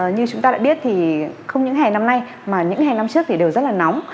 như chúng ta đã biết thì không những hè năm nay mà những hè năm trước thì đều rất là nóng